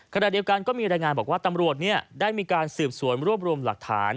ขณะเดียวกันก็มีรายงานบอกว่าตำรวจได้มีการสืบสวนรวบรวมหลักฐาน